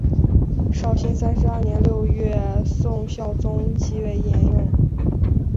绍兴三十二年六月宋孝宗即位沿用。